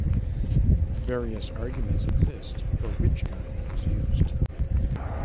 Various arguments exist for which kind was used.